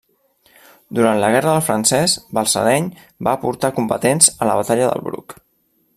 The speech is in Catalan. Durant la Guerra del Francès, Balsareny va aportar combatents a la Batalla del Bruc.